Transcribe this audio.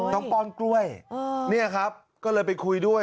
ป้อนกล้วยเนี่ยครับก็เลยไปคุยด้วย